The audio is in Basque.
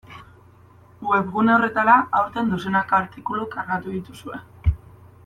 Webgune horretara, aurten, dozenaka artikulu kargatu dituzue.